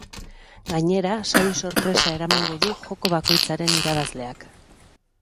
Gainera, sari sorpresa eramango du joko bakoitzaren irabazleak.